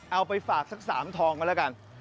เอาไปฝากสัก๓ทองก็แล้วกัน